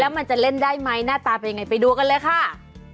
มันจะเล่นได้ไหมหน้าตาเป็นยังไงไปดูกันเลยค่ะ